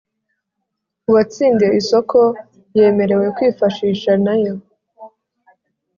Uwatsindiye isoko yemerewe kwifashisha nayo